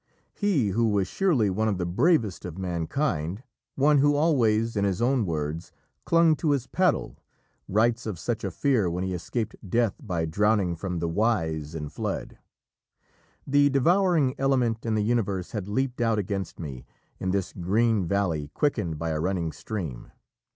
He who was surely one of the bravest of mankind, one who always, in his own words, "clung to his paddle," writes of such a fear when he escaped death by drowning from the Oise in flood. "The devouring element in the universe had leaped out against me, in this green valley quickened by a running stream.